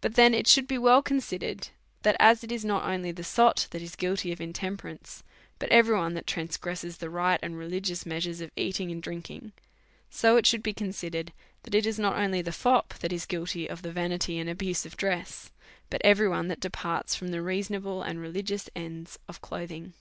But then it should be well considered, that as it is not only the sot that is guilty of intemperance^ but every one that transgresses the right and religious measures of eating and drinking; so it should be con sidered, that it is not only the fop that is guilty of the vanity and abuse of dress, but every one that departs from the reasonable and religious ends of clothing.